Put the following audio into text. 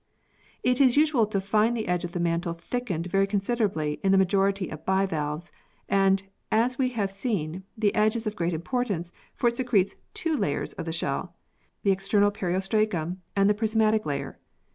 It is usual to find the edge of the mantle thickened very considerably in the majority of bivalves, and, as we have seen, the edge is of great importance, for it secretes two of the layers of the shell, the external periostracum and the prismatic layer.